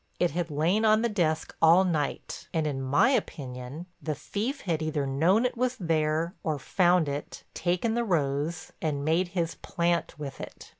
It had lain on the desk all night and, in my opinion, the thief had either known it was there or found it, taken the rose, and made his "plant" with it.